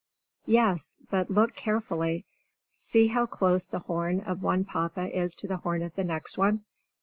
Yes, but look carefully! See how close the horn of one Papa is to the horn of the next one!